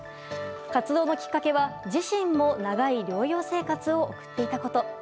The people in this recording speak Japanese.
活動のきっかけは、自身も長い療養生活を送っていたこと。